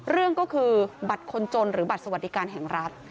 เรื่องก็คือบัตรคนจนหรือบัตรสวัสดิการแห่งรัฐ